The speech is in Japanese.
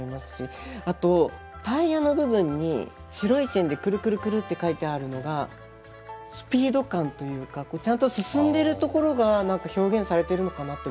あとタイヤの部分に白い線でクルクルクルって描いてあるのがスピード感というかちゃんと進んでるところが表現されてるのかなと僕思いまして。